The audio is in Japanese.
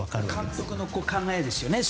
監督の考えですね。